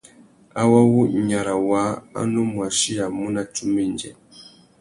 Awô wu nyara waā a nù mù achiyamú nà tsumba indjê.